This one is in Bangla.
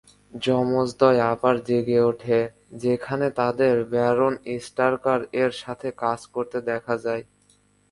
যমজদ্বয় আবার জেগে ওঠে, যেখানে তাদের ব্যারন স্ট্রাকার এর সাথে কাজ করতে দেখা যায়।